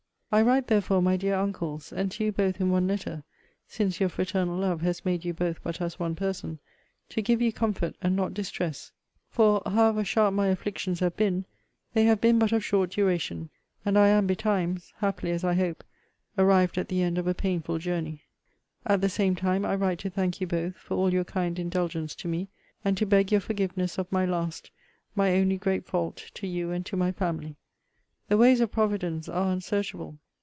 I write, therefore, my dear uncles, and to you both in one letter (since your fraternal love has made you both but as one person) to give you comfort, and not distress; for, however sharp my afflictions have been, they have been but of short duration; and I am betimes (happily as I hope) arrived at the end of a painful journey. At the same time I write to thank you both for all your kind indulgence to me, and to beg your forgiveness of my last, my only great fault to you and to my family. The ways of Providence are unsearchable.